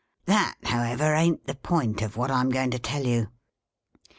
That, however, ain't the point of what I 'm going to tell you.